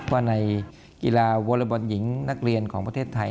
ว่าในกีฬาวอเลอร์บอลหญิงนักเรียนของประเทศไทย